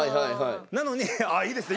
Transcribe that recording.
なのにああいいですね。